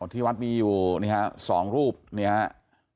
ที่วัดมีอยู่สองรูปนี่ครับ